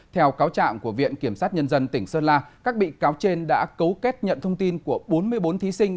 theo cáo trạng của viện kiểm sát nhân dân tỉnh sơn la các bị cáo trên đã cấu kết nhận thông tin của bốn mươi bốn thí sinh